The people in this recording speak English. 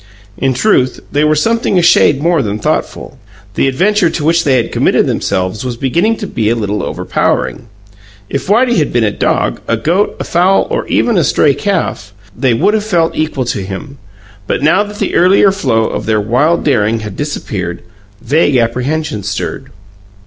In truth, they were something a shade more than thoughtful; the adventure to which they had committed themselves was beginning to be a little overpowering. If Whitey had been a dog, a goat, a fowl, or even a stray calf, they would have felt equal to him; but now that the earlier glow of their wild daring had disappeared, vague apprehensions stirred.